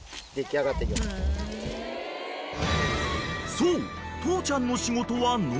［そう］